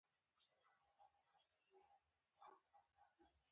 هغه څنګه وي.